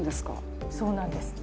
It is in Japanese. そうなんですって。